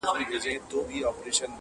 توري شپې سوې سپیني ورځي ښار سینګار سو!!